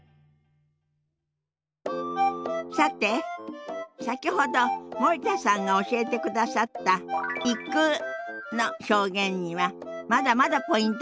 さて先ほど森田さんが教えてくださった「行く」の表現にはまだまだポイントがあるようよ。